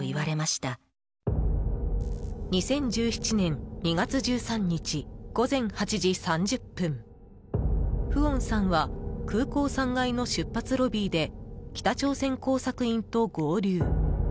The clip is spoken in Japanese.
２０１７年２月１３日午前８時３０分フオンさんは空港３階の出発ロビーで北朝鮮工作員と合流。